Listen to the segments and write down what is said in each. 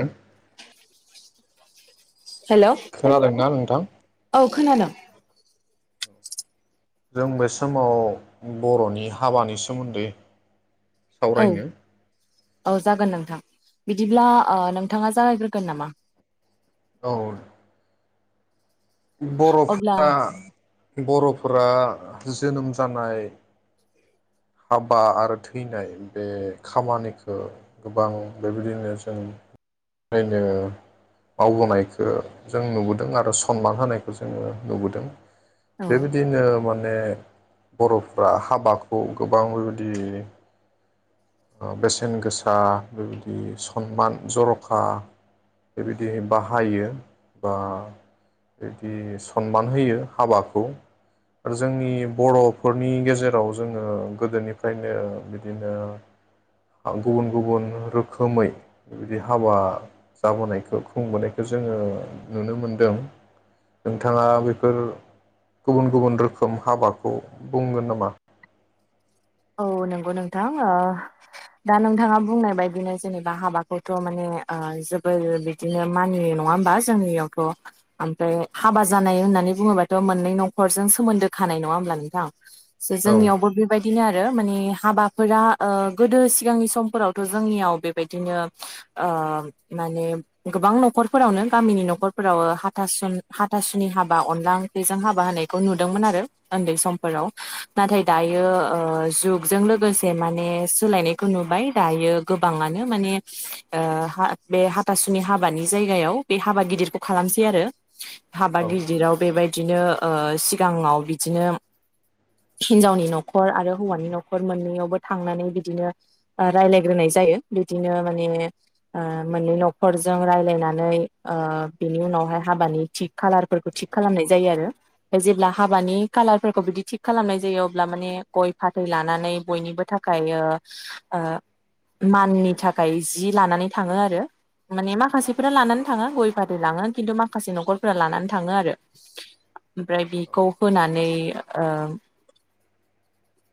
औ। [unintelligible] हेलौ नोंथां औ खोनादों। जों बे समाव बर'नि हाबानि सोमोन्दै औ सावरायनो औ जागोन नोंथां। बिदिब्ला ओ नोंथाङा जागायग्रोगोन नामा? औ। अब्ला बर'फोरा बर'फोरा जोनोम जानाय हाबा आरो थैनाय बे खामानिखौ गोबां बेबायदिनो जोंनायनो मावबोनायखौ जों नुबोदों आरो सनमान होनायखौ जोङो नुबोदों। औ बेबायदिनो माने माने बर'फोरा हाबाखौ गोबां बेबायदि आ बेसेन गोसा बेबायदि सनमान जर'खा बेबायदि बाहायो बा बेबायदि सनमान होयो हाबाखौ आरो जोंनि बर'फोरनि गेजेराव जोङो गोदोनिफ्रायनो बिदिनो आं गुबुन गुबुन रोखोमै बिबायदि हाबा जाबोनायखौ खुंबोनायखौ जोङो नुनो मोनदों नोंथाङा बेफोर गुबुन गुबुन रोखोम हाबाखौ बुंगोन नामा। औ नंगौ नोंथां आ दा नोंथाङा बुंनाय बायदिनो जेनेबा हाबाखौथ' माने आ जोबोर बिदिनो मानियो नङा होमबा जोंनियावथ' ओमफ्राय हाबा जानाय होननानै बुङोबाथ' मोननै न'खरजों सोमोन्दो खानाय नङा होमब्ला नोंथां। ज औ जोंनियावबो बेबायदिनो आरो। आरो माने हाबाफोरा ओ गोदो सिगांनि समफोरावथ' जोंनियाव बेबायदिनो आ माने गोबां न'खरफोरावनो गामिनि न'खरफोराव हाथासुनि हाथासुनि हाबा अनला ओंख्रिजों हाबा होनायखौ नुदोंमोन आरो उन्दै समफोराव नाथाय दायो ओ। जुगजों लोगोसे माने सोलायनायखौ नुबाय दायो गोबाङानो माने ओ बे हाथासुनि हाबानि जायगायाव बे हाबा गिदिरखौ खालामसै आरो। हाबा गिदिराव बेबायदि। बिदिनो ओ सिगाङाव बिदिनो हिनजावनि न'खर आरो। हौवानि न'खर मोननैयावबो थांनानै बिदिनो आ राय्लायग्रोनाय जायो बिदिनो माने आ मोननै न'खरजों रायलायनानै ओ बिनि उनावहाय हाबानि थि खाालारफोरखौ थिग खालामनाय जायो आरो बे जेब्ला हाबानि खाालारफोरखौ बिदि थिग खालामनाय जायो अब्ला माने ग फाथै लानानै बयनिबो थाखाय ओ-ओ माननि थाखाय जि लानानै थाङो आरो माने माखासेफोरा लानानै थाङो गय फाथै लाङो खिन्थु माखासे न'खरफोरा लानानै थाङो आरो। ओमफ्राय बिखौ होनानै ओं।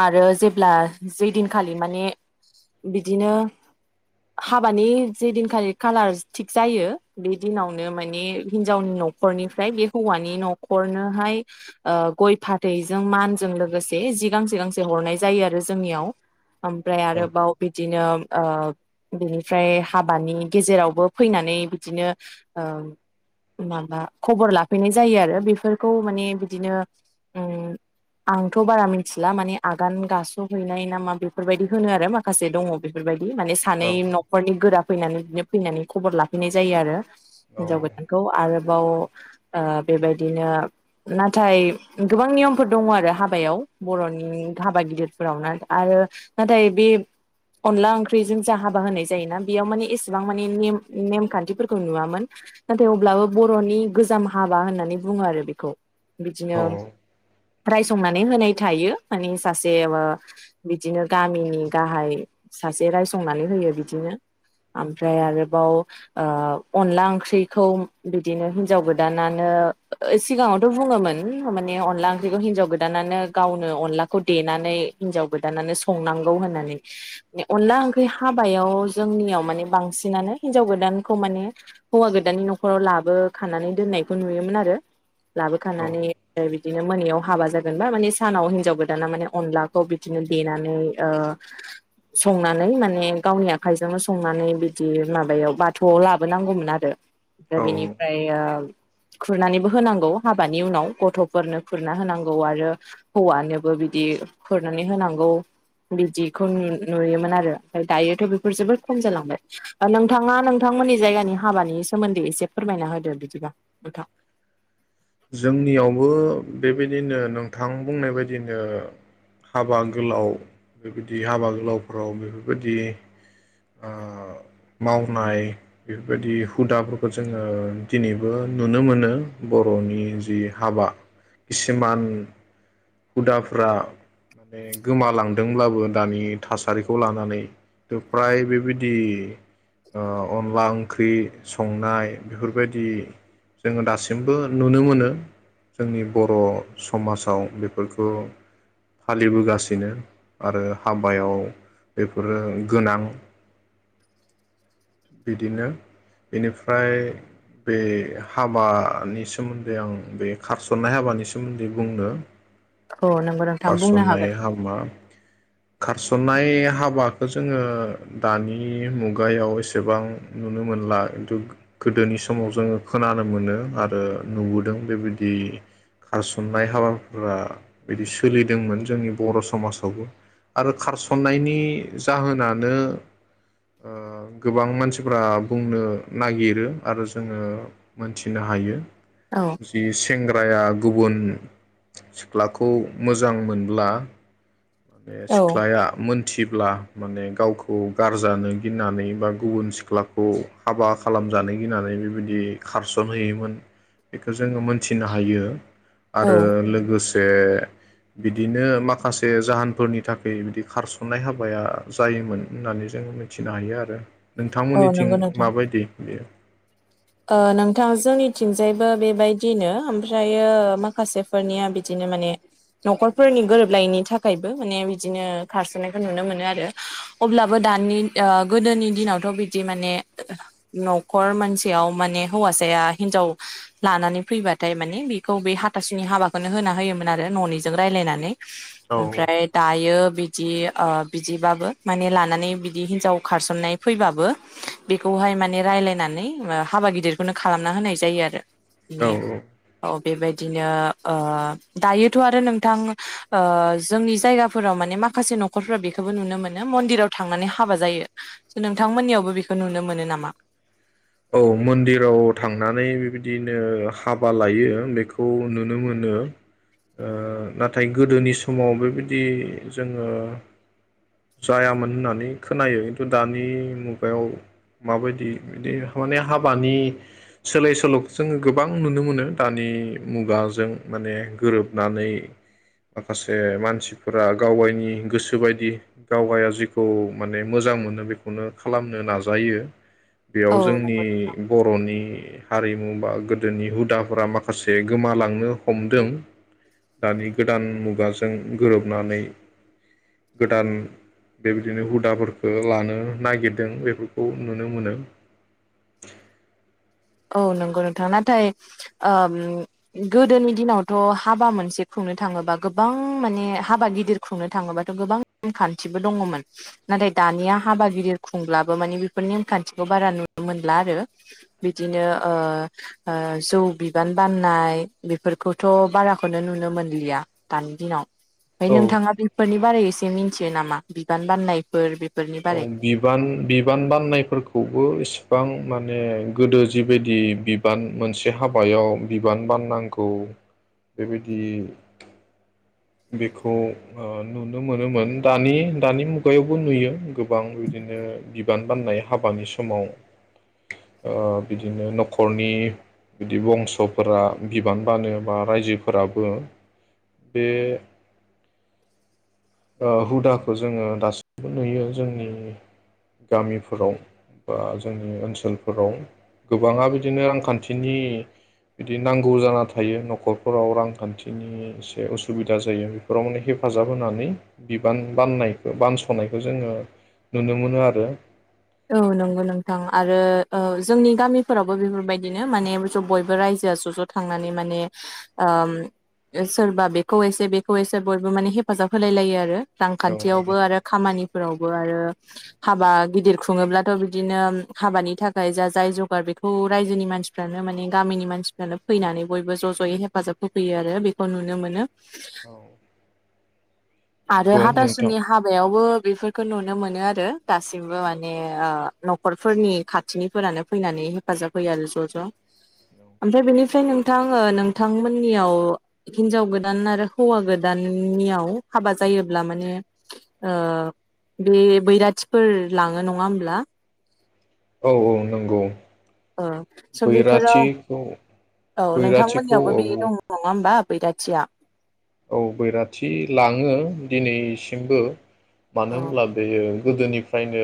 आरो जेब्ला जे दिनखालि माने बिदिनो हाबानि जे दिनखालि खालार थिग जायो बे दिनावनो माने हिनजावनि न'खरनिफ्राय बे हौवानि न'खरनोहाय ओ गय फाथैजों मानजों लोगोसे जि गांसे गांसे हरनाय जायो आरो जोंनियाव। ओमफ्राय आरोबाव बिदिनो ओ बिनिफ्राय हाबानि गेजेरावबो फैनानै बिदिनो ओ माबा खबर लाफैनाय जायो आरो बेफोरखौ माने बिदिनो ओं आंथ' बारा मिथि मिथिला माने आगान गास'हैनाय ना मा बेफोरबायदि होनो आरो माखासे दङ बेफोरबायदि। माने सानै औ न'खरनि गोरा फैनानै बिदिनो फैनानै खबर लाफैनाय जायो आरो। औ हिनजाव गोदानखौ आरो औ ओ बेबायदिनो नाथाय गोबां नियमफोर दङ आरो हाबायाव। बर'नि हाबा गिदिरफोराव ना आरो नाथाय बे अनला ओंख्रिजों जा हाबा होनाय जायोना बेयाव माने एसेबां माने नेम नेमखान्थिफोरखौ नुवामोन नाथाय अब्लाबो बर'नि गोजाम हाबा होननानै बुङो आरो बेखौ बिदिनो औ रायसंनानै होनाय थायो मानि सासे ओ बिदिनो गामिनि गाहाय सासे रायसंनानै होयो बिदिनो आमफ्राय आरोबाव ओ अनला ओंख्रिखौ बिदिनो हिनजाव गोदानानो ओ सिगाङावथ' बुङोमोन माने अनला ओंख्रिखौ हिनजाव गोदानानो गावनो अनलाखौ देनानै हिनजाव गोदानानो संनांगौ होननानै अनला ओंख्रि हाबायाव जोंनियाव माने बांसिनानो हिनजाव गोदानखौ माने हौवा गोदाननि न'खराव लाबो खानानै दोननायखौ नुयोमोन आरो। लाबोखानानै बिदि मोनायाव हाबा जागोन बा माने सानाव हिन्जाव गोदाना माने अनलाखौ बिदिनो देनानै ओ संनानै माने गावनि आखाइजोंनो संनानै बिदि माबायाव बाथौआव लाबोनांगौमोन आरो। दा औ बेनिफ्रायो खुरनानैबो होनांगौ हाबानि उनाव गथ'फोरनो खुरना होनांगौ आरो हौवानोबो बिदि खुरनानै होनांगौ बिदिखौ नुयो-नुयोमोन आरो दायोथ' बेफोर जोबोद खम जालांबाय ओ नोंथाङा नोंथांमोननि जायगानि हाबानि सोमोन्दै एसे फोरमायना होदो बिदिबा नोंथां। जोंनियावबो बेबायदिनो नोंथां बुंनाय बायदिनो हाबा गोलाव बेबायदि हाबा गोलावफोराव बेफोरबायदि ओ मावनाय बेफोरबायदि हुदाफोरखौ जोङो दिनैबो नुनो मोनो बर' नि जि हाबा किसुमान हुदाफ्रा माने गोमालांदोंब्लाबो दानि थासारिखौ लानानै थ' फ्राय बेबायदि ओ अनला ओंख्रि संनाय बेफोरबायदि जोङो दासिमबो नुनो मोनो जोंनि बर' समाजाव बेफोरखौ फालिबोगासिनो आरो हाबायाव बेफोरो गोनां बिदिनो बेनिफ्राय बे हाबानि सोमोन्दै आं बे खारसननाय हाबानि सोमोन्दै बुंनो औ नंगौ नोंथां बुंनो खारसनाय हागोन हाबा खार सननाय हाबाखौ जोङो दानि मुगायाव एसेबां नुनो मोनला खिन्थु गोदोनि समाव जोङो खोनानो मोनो आरो नुबोदों बेबायदि खारसननाय हाबाफ्रा बिदि सोलिदोंमोन जोंनि बर' समाजावबो आरो खारसन्नायनि जाहोनानो ओ गोबां मानसिफोरा बुंनो नागिरो आरो जोङो मोनथिनो हायो। औ जि सेंग्राया गुबुन सिख्लाखौ मोजां मोनब्ला बे औ सिख्लाया मोन मिथिब्ला माने गावखौ गारजानो गिनानै बा गुबुन सिख्लाखौ हाबा खालामजानो गिनानै बेबायदि खारसनहैयोमोन। बेखौ जोङो मोनथिनो हायो। औ आरो लोगोसे जे बिदिनो माखासे जाहोनफोरनि थाखै बिदि खारसननाय हाबाया जायोमोन होननानै जों मिथिनो हायो आरो। औ नंगौ नोंथांमोननिथिं नोंथां माबायदि बेयो? ओ नोंथां जोंनिथिंजायबो बेबायदिनो ओमफ्रायो माखासेफोरनिया बिदिनो माने न'खरफोरनि गोरोबलायिनि थाखायबो माने बिदिनो खारसननायखौ नुनो मोनो आरो अब्लाबो दानि ओ गोदोनि दिनावथ' बिदि माने न'खर मानसि सेयाव माने हौवासाया हिनजाव लानानै फैबाथाय माने बेखौ बे हाथासुनि हाबाखौनो होना होयोमोन आरो न'निजों रायलायनानै। औ ओमफ्राय दायो बिदि ओ बिदिबाबो माने लानानै बिदि हिनजाव खारसननाय फैबाबो बेखौहाय माने रायलायनानै ओ हाबा गिदिरखौनो खालामना होनाय जायो आरो। औ [unintelligible] औ। बेबायदिनो ओ दायोथ' आरो नोंथां ओ जोंनि जायगाफोराव माने माखासे न'खरफोरा बेखौबो नुनो मोनो मन्दिराव थांनानै हाबा जायो स' नोंथांमोननियावबो बेखौ नुनो मोनो नामा? औ मन्दिराव थांनानै बेबायदिनो हाबा लायो बेखौ नुनो मोनो ओ नाथाय गोदोनि समाव बेबायदि जोङो जायामोन होननानै खोनायो खिन्थु दानि मुगायाव माबायदि बिदि माने हाबानि सोलाय सोल'खौ जोङो गोबां नुनो मोनो दानि मुगाजों माने गोरोबनानै माखासे मानसिफोरा गावगायनि गोसो बायदि गावगाया जिखौ माने मोजां मोनो बेखौनो खालामनो नाजायो बे औ नंगौ जोंनि नोंथां बर'नि हारिमु बा गोदोनि हुदाफोरा माखासे गोमालांनो हमदों दानि गोदान मुगाजों गोरोबनानै गोदान बेबिदिनो हुदाफोरखो लानो नागिरदों बेफोरखौ नुनो मोनो। [inaudible] औ नोंगौ नोंथां नाथाय ओ गोदोनि दिनावथ' हाबा मोनसे खुंनो थाङोबा गोबां माने हाबा गिदिर खुंनो थाङोबाथ' गोबां नेमखान्थिबो दङमोन नाथाय दानिया हाबा गिदिर खुंब्लाबो माने बेफोर नेमखान्थिखौ बारा नुनो मोनला आरो। बिदिनो ओ ओ जौ बिबान बाननाय बेफोरखौथ' बाराखौनो नुनो मोनलिया दानि दिनाव। फाय औ नोंथाङा बेफोरनि बारै एसे मिन्थियो नामा बिबान बान्नायफोर बे औ बिबान-बिबान बाननायफोरखौबो इसेबां माने गोदो जिबायदि बिबान मोनसे हाबायाव बिबान बाननांगौ बेबेदि बिखौ ओ नुनो मोनोमोन दानि-दानि मुगायावबो नुयो। गोबां बिदिनो बिबान बाननाय हाबानि समाव ओ बिदिनो न'खरनि बिदि बंस'फोरा बिबान बानो बा रायजोफोराबो बे ओ हुदाखो जोङो दासिमबो नुयो जोंनि गामिफोराव बा जोंनि ओनसोलफोराव गोबाङा बिदिनो रांखान्थिनि बिदि नांगौ जाना थायो न'खरफोराव रांखान्थिनि एसे उसुबिदा जायो बेफोराव माने हेफाजाब होनानै। बिबान बाननायखो बानस'नायखो जोङो नुनो मोनो आरो। ओ नंगौ नोंथां आरो ओ जोंनि गामिफोरावबो बेफोरबायदिनो माने ज' बयबो रायजोआ ज' ज' थांनानै माने ओम सोरबा बेखौ एसे बेखौ एसे बयबो माने हेफाजाब होलाय लायो आरो। औ रांखान्थियावबो आरो खामानिफोरावबो आरो हाबा गिदिर खुं खुङोब्लाथ' बिदिनो हाबानि थाखाय जा जाय जगार बेखौ रायजोनि मानसिफ्रानो माने गामिनि मानसिफ्रानो फैनानै बयबो ज' ज'यै हेफाजाब होफैयो आरो बेखौ नुनो मोनो। औ आरो नंगौ नोंथां हाथासुनि हाबायावबो बेफोरखो नुनो मोनो आरो दासिमबो मा ने ओ न'खरफोरनि खाथिनिफोरानो फैनानै हेफाजाब होयो आरो ज' ज' ओमफाय बेनिफ्राय नोंथां ओ नोंथांमोननियाव हिनजाव गोदान आरो हौवा गोदाननियाव हाबा जायोब्ला माने ओ बे बैराथिफोर लाङो नं ङा होमब्ला? औ औ नंगौ। ओ सो बेफोराव बैराथिखौ औ बैराथिखौ नोंथांमोननियावबो औ बेदि दं नङा होमबा? बैराथिया। औ बैराथि लाङो दिनैसिमबो। मानो औ होमब्ला बेयो गोदोनिफ्रायनो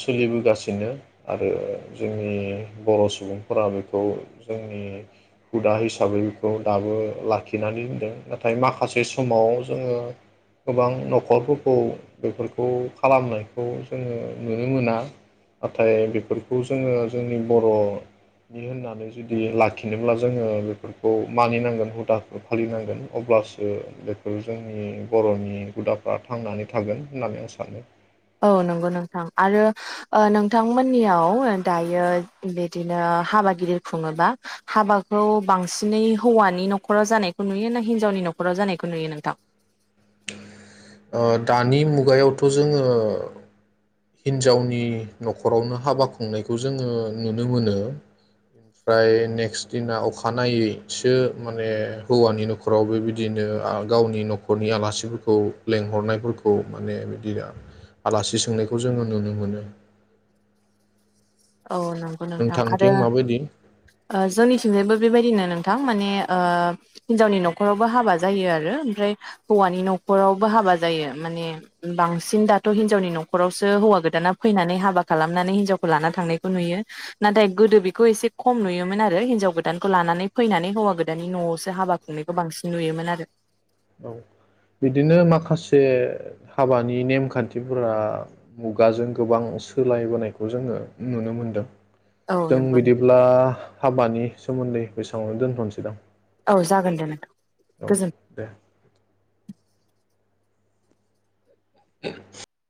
सोलिबोगासिनो आरो जोंनि फाय माखासे समाव जोङो गोबां न'खरफोरखौ बेफोरखौ खालामनायखौ जोङो नुनो मोना नाथाय बेफोरखौ जोङो जोंनि बर'नि होननानै जुदि लाखिनोब्ला जोङो बेफोरखौ मानिनांगोन हुदाखौ फालिनांगोन। अब्लासो बेफोर जोंनि बर'नि हुदाफ्रा थांनानै थागोन होननानै आं सानो। औ नंगौ नोंथां आरो ओ नोंथांमोननियाव दायो बिदिनो हाबा गिदिर खुङोबा हाबाखौ बांसिनै हौवानि न'खराव जानायखौ नुयो ना हिनजावनि न'खराव जानायखौ नुयो नोंथां? ओ दानि मुगायावथ' जोङो हिनजावनि न'खरावनो हाबा खुंनायखौ जोङो नुनो मोनो ओमफ्राय नेक्स्ट दिना अखानायैसो माने हौवानि न'खराव बेबिदिनो गावनि न'खरनि आलासिफोरखौ लेंहरनायफोरखौ माने बिदिनो आलासि सोंनाय खौ जोङो नुनो मोनो। औ नोंगो नोंथां आरो नोंथांथिं माबायदि ओ जोंनिथिंजायबो बेबायदि नो थां माने ओ हिनजावनि न'खरावबो हाबा जायो आरो ओमफ्राय हौवानि न'खरावबो हाबा जायो माने बांसिन दाथ' हिनजावनि न'खरावसो हौवा गोदाना फैनानै हाबा खालामनानै हिनजावखो लाना थांनाय खो नुयो नाथाय गोदो बेखौ एसे खम नुयोमोन आरो हिनजाव गोदानखौ लानानै फैनानै हौवा गोदाननि न'आवसो हाबा खुंनायखौ बांसिन नुयोमोन आरो। औ बिदिनो माखासे हाबानि नेमखान्थिफोरा मुगाजों गोबां सोलायबोनायखौ जोङो नुनो मोनदों। औ जों नंगौ नोंथां बिदिब्ला हाबानि सोमोन्दै बेसेङावनो दोनथ'नोसै दां। औ जागोन दे नोथां। औ दे। [inaudible]